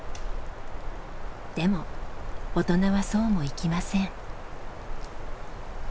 でも大人はそうもいきません。